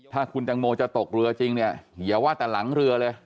ถ้าคุณแตงโมจะตกเรือจริงเนี่ยอย่าว่าแต่หลังเรือเลย